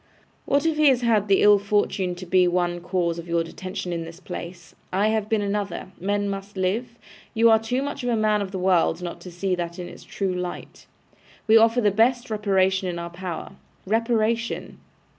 'What if he has had the ill fortune to be one cause of your detention in this place? I have been another; men must live; you are too much a man of the world not to see that in its true light. We offer the best reparation in our power. Reparation!